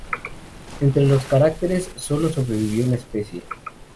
Entre los cráteres sólo sobrevivió una especie.